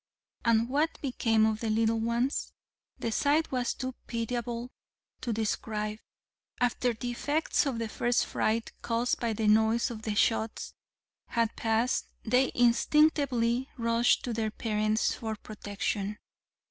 And what became of the little ones? The sight was too pitiable to describe. After the effects of the first fright, caused by the noise of the shots, had passed, they instinctively rushed to their parents for protection.